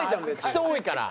人多いから。